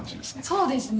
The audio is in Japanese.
そうですね。